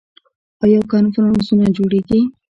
آیا کنفرانسونه جوړیږي؟